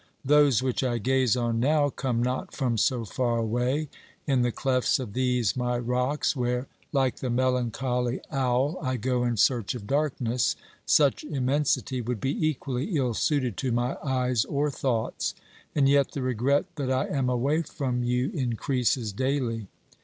Those which I gaze on now come not from so far away ; in the clefts of these my rocks, where, like the melancholy owl, I go in search of darkness, such immensity OBERMANN 349 would be equally ill suited to my eyes or thoughts. And yet the regret that I am away from you increases daily.